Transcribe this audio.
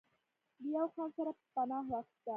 د يو خان سره پناه واخسته